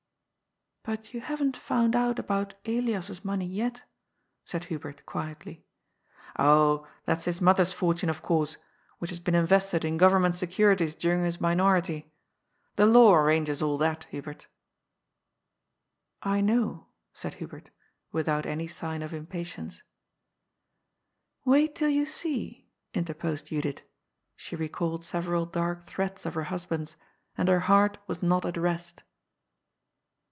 But you haven't found out about Elias's money yet," said Hubert quietly. ^' Oh, that's his mother's fortune, of course, which has THE HBAD OF THE FIRM. 113 been invested in Ooveniment securities dnring his minority. The law arranges all that, Hnbert" ^^I know," said Hubert, without any sign of impa tience. ^^Wait till you see," interposed Judith. She recalled several dark threats of her husband's, and her heart was not at rest.